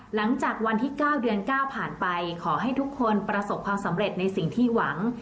หลังจากวันที่๙เดือน๙ผ่านไปขอให้ทุกคนประสบความสำเร็จในสิ่งที่หวัง